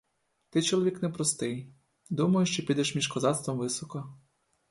Ти чоловік не простий — думаю, що підеш між козацтвом високо.